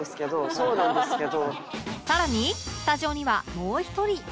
さらにスタジオにはもう１人